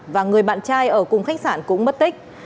và người bạn trai ở cùng khách sạn cũng mất tích